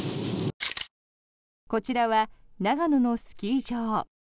こちらは長野のスキー場。